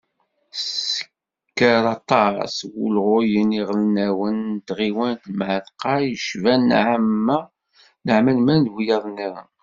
Tessker aṭas n wulɣuɣen iɣelnawen n tɣiwant n Mεatqa, yecban Naɛman Menad d wiyaḍ-nniḍen.